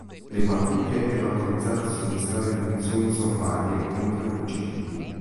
Le pattuglie erano autorizzate a somministrare punizioni sommarie contro i fuggitivi.